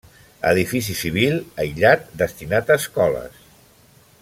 Edifici civil, aïllat, destinat a escoles.